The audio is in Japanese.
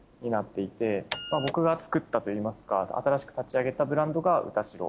僕が造ったといいますか新しく立ち上げたブランドが。